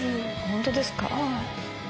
本当ですか。